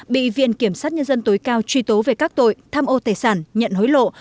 bị viện kiểm sát nhân dân tối cao truy tố về các tội tham ô tài sản nhận hối lộ